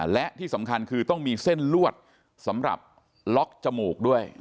และที่สำคัญคือต้องมีเส้นลวดสำหรับล็อกจมูกด้วย